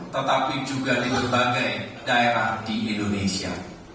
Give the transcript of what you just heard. tetapi juga di berbagai daerah di indonesia